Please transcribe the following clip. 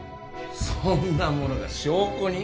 そんなものが証拠に？